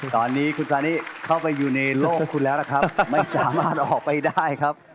ตอนนี้คุณฟานิเข้าไปอยู่ในโลกคุณแล้วนะครับไม่สามารถออกไปได้ครับ